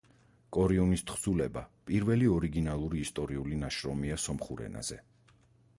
კორიუნის თხზულება პირველი ორიგინალური ისტორიული ნაშრომია სომხურ ენაზე.